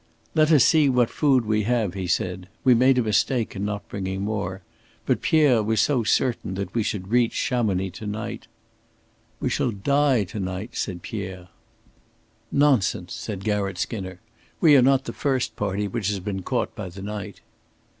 "Let us see what food we have," he said. "We made a mistake in not bringing more. But Pierre was so certain that we should reach Chamonix to night." "We shall die to night," said Pierre. "Nonsense," said Garratt Skinner. "We are not the first party which has been caught by the night."